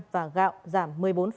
và gạo giảm một mươi bốn chín